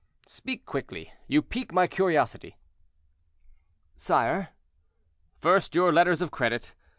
"Speak quickly—you pique my curiosity." "Sire—" "First, your letters of credit.